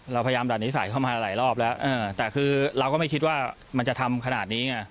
เราพยายามดัดนิสัยเข้ามาหลายรอบแล้วแต่คือเราก็ไม่คิดว่ามันจะทำขนาดนี้ไง